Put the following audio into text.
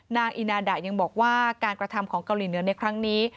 อีนาดะยังบอกว่าการกระทำของเกาหลีเหนือในครั้งนี้